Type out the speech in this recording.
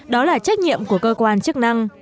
đó là trách nhiệm của cơ quan chức năng